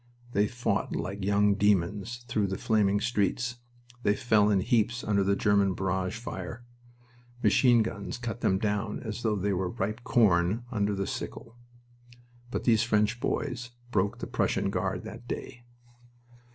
They fought like young demons through the flaming streets. They fell in heaps under the German barrage fire. Machine guns cut them down as though they were ripe corn under the sickle. But these French boys broke the Prussian Guard that day.